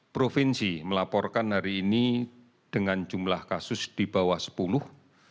provinsi melaporkan hari ini dengan jumlah kasus di bawah sepuluh